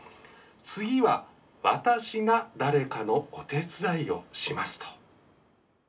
次は私が誰かのお手伝いをしますと。